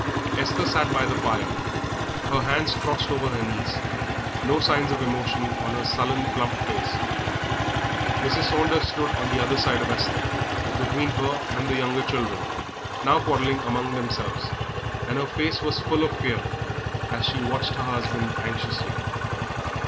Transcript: Esther sat by the fire, her hands crossed over her knees, no signs of emotion on her sullen, plump face. Mrs. Saunders stood on the other side of Esther, between her and the younger children, now quarrelling among themselves, and her face was full of fear as she watched her husband anxiously.